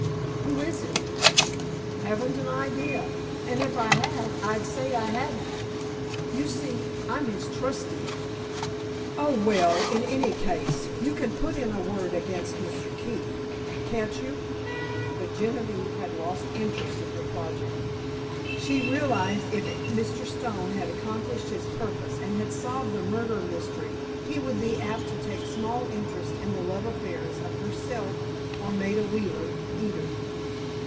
"Who is it?" "Haven't an idea—and if I had, I'd say I hadn't. You see, I'm his trusty." "Oh, well, in any case, you can put in a word against Mr. Keefe, can't you?" But Genevieve had lost interest in her project. She realized if Mr. Stone had accomplished his purpose and had solved the murder mystery he would be apt to take small interest in the love affairs of herself or Maida Wheeler, either.